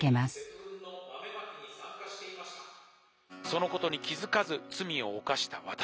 「そのことに気付かず罪を犯した私。